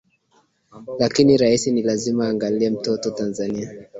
lakini rais ni lazima aangalie mtoto tanzania